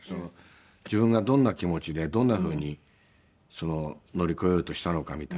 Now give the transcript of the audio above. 自分がどんな気持ちでどんな風に乗り越えようとしたのかみたいなのは。